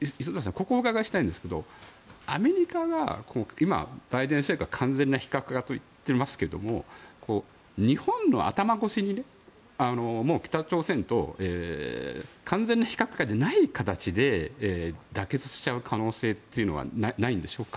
ここ、お伺いしたいんですがアメリカがバイデン政権は完全な非核化といっていますが日本の頭越しに北朝鮮と完全な非核化じゃない形で妥結しちゃう可能性はないのでしょうか。